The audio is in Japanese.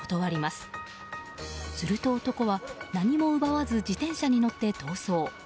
すると男は何も奪わず自転車に乗って逃走。